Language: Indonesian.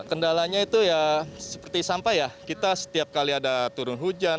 kendalanya itu ya seperti sampah ya kita setiap kali ada turun hujan